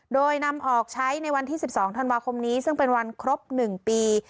โดยนำออกใช้ในวันที่๑๒ธันวาคมนี้ซึ่งเป็นวันครบ๑ปี